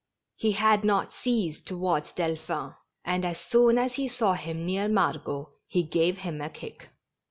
lie had not ceased to watch Delphin, and as soon as he saw him near Margot, he gave him a kick.